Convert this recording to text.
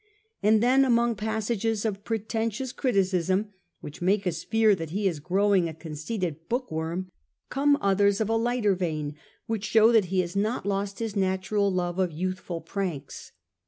And then among passages of pretentious criticism, which make us fear that he is growing a conceited book worm, come others of a lighter vein, which show that he has not lost his natural love of youthful pranks.